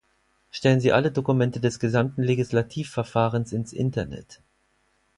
Stellen Sie alle Dokumente des gesamten Legislativverfahrens ins Internet.